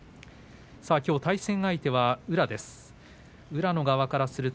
きょう対戦相手は宇良です。